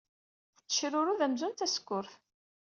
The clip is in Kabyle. Tettecrurd amzun d tasekkurt.